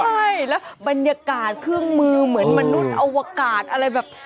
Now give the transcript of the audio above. ใช่แล้วบรรยากาศเครื่องมือเหมือนมนุษย์อวกาศอะไรแบบ